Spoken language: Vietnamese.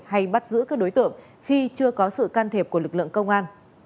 hay bắt giữ các đối tượng khi chưa có sự can thiệp của lực lượng công an